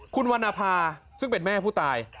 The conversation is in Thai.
คุณวรรณภาซึ่งเป็นแม่ผู้ตาย